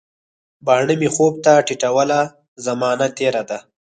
باڼه مي خوب ته ټیټوله، زمانه تیره ده